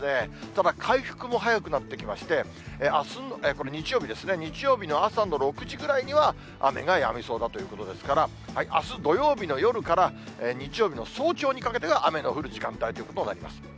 ただ、回復も早くなってきまして、これ日曜日ですね、日曜日の朝の６時ぐらいには、雨がやみそうだということですから、あす土曜日の夜から日曜日の早朝にかけてが雨の降る時間帯ということになります。